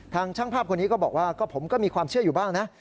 ช่างภาพคนนี้ก็บอกว่าก็ผมก็มีความเชื่ออยู่บ้างนะ